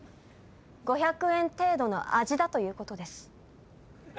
５００円程度の味だということです。